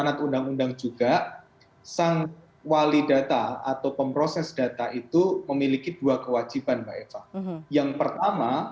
g kitchenernya dadah itu memiliki dua kewajiban yang pertama yung only data pemproses data memiliki dua kewajiban bapak eva